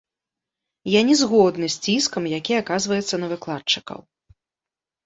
Я не згодны з ціскам, які аказваецца на выкладчыкаў.